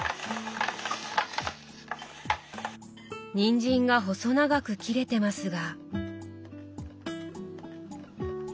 にんじんが細長く切れてますが。